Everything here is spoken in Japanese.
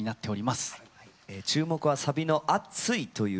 注目はサビの「熱い」という歌詞が。